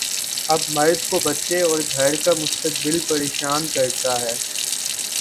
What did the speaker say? اب مرد کو بچے اور گھر کا مستقبل پریشان کرتا ہے۔